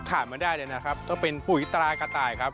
ขาดไม่ได้เลยนะครับต้องเป็นปุ๋ยตรากระต่ายครับ